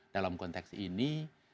dalam konteks ini